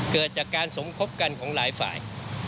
เกิดจากการสมคบกันของหลายฝ่าย